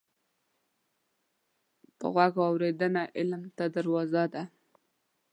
په غوږ اورېدنه علم ته دروازه ده